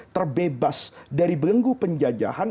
terbebas dari belenggu penjajahan